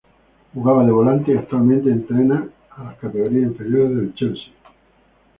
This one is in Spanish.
Jugaba de volante y actualmente entrena a las categorías inferiores del Chelsea.